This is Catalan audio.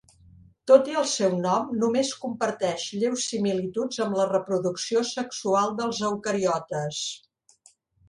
Tot i el seu nom només comparteix lleus similituds amb la reproducció sexual dels eucariotes.